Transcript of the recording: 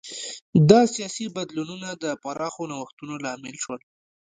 دا سیاسي بدلونونه د پراخو نوښتونو لامل شول.